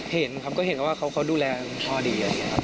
เห็นครับก็เห็นว่าเขาดูแลคุณพ่อดีอะไรอย่างนี้ครับ